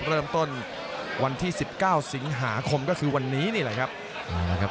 เริ่มต้นวันที่สิบเก้าสิงหาคมก็คือวันนี้นี่แหละครับ